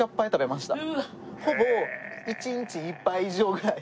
ほぼ１日１杯以上ぐらい。